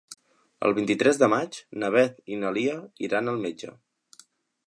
El vint-i-tres de maig na Beth i na Lia iran al metge.